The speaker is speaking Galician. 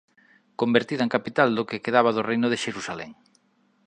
Convertida en capital do que quedaba do Reino de Xerusalén.